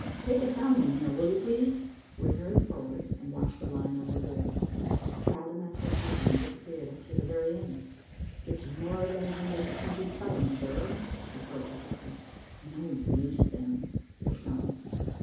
"Take a sounding here, will you please?" We hurried forward and watched the line overboard. Fathom after fathom disappeared up to the very end. "It's more than a hundred twenty fathom, sir," reported the captain. "No use, then," said Tom.